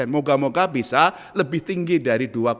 moga moga bisa lebih tinggi dari